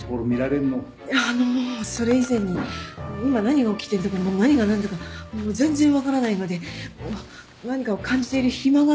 いやあのもうそれ以前に今何が起きてるのかもう何が何だかもう全然分からないので何かを感じている暇がないっていうか。